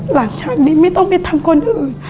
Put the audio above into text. หลังจากนี้ไม่ต้องไปทำคนอื่น